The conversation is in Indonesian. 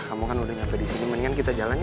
kamu kan udah nyampe di sini mendingan kita jalan